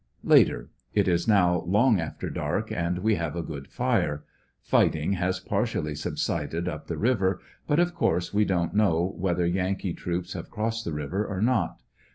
Later. — It is now long after dark and we have a good fire. Fighting has partially subsided up the river, but of course we don't know whether Yankee troops have crossed the river or not.